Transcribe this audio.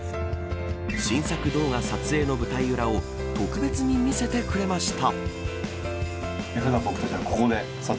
新作動画撮影の舞台裏を特別に見せてもらいました。